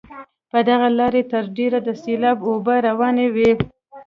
په دغه لاره تر ډېره د سیلاب اوبه روانې وي.